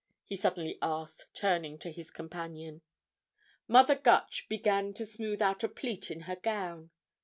he suddenly asked, turning to his companion. Mother Gutch began to smooth out a pleat in her gown.